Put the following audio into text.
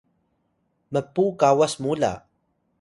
Pireh: mpu kawas mu la